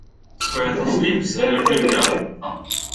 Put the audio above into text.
Ska jag ta slips eller fluga?